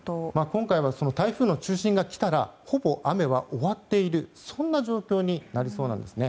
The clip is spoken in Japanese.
今回は台風の中心が来たらほぼ雨は終わっている状況になりそうなんです。